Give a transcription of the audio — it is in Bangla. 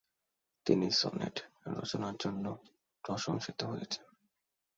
তিনি সনেট রচনার জন্য প্রশংসিত হয়েছেন।